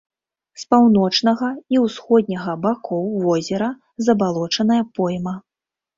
З паўночнага і ўсходняга бакоў возера забалочаная пойма.